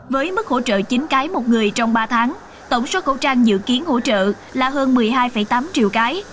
với mức hỗ trợ chín cái một người trong ba tháng tổng số khẩu trang dự kiến hỗ trợ là hơn một mươi hai tám triệu cái